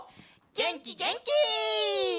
げんきげんき！